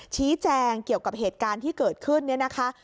ชี้แจงเกี่ยวกับเหตุการณ์ที่เกิดขึ้นเนี่ยนะคะ